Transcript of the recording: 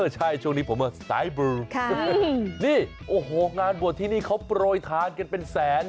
ใช่ช่วงนี้ผมว่าสายบลือนี่โอ้โหงานบวชที่นี่เขาโปรยทานกันเป็นแสน